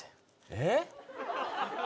えっ？